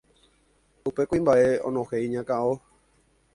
upe kuimba'e onohẽ iñakão